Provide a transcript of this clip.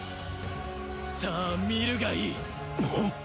さぁ見るがいい。